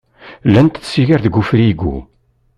Llant tsigar deg ufrigu.